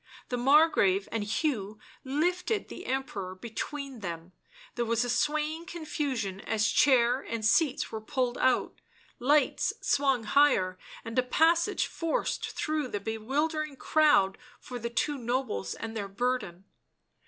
The Margrave and Hugh lifted the Emperor between them ; there was a swaying confusion as chair and seats were pulled out,, lights swung higher, and a passage forced through the bewildered crowd for the two nobles and their burden.